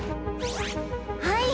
はい。